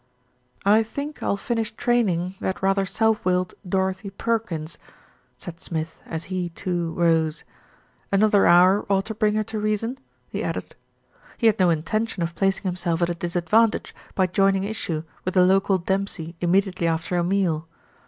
"I think I'll finish training that rather self willed Dorothy Perkins," said Smith as he, too, rose. "An other hour ought to bring her to reason," he added. He had no intention of placing himself at a disadvan tage by joining issue with the local Dempsey immedi ately after a meal.